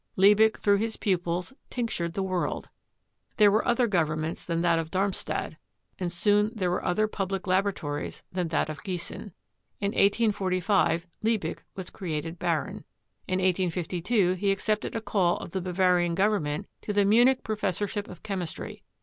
Liebig, through his pupils, tinctured the world; there were other governments than that of Darmstadt, and soon there were other public laboratories than that of Giessen. In 1845 Liebig was created Baron. In 1852 he accepted a call of the Bava rian Government to the Munich professorship of chemis try.